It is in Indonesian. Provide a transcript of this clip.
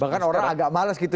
bahkan orang agak males gitu